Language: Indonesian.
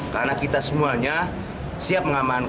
karena kita semuanya siap mengamanukannya